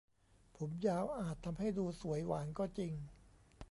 ผมยาวอาจทำให้ดูสวยหวานก็จริง